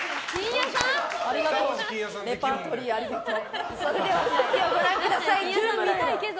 レパートリーありがとう。